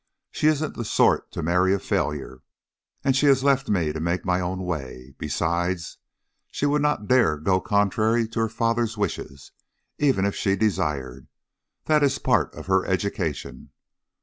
She isn't the sort to marry a failure, and she has left me to make my own way. Besides, she would not dare go contrary to her father's wishes, even if she desired that is part of her education.